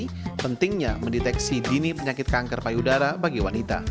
jadi pentingnya mendeteksi dini penyakit kanker payudara bagi wanita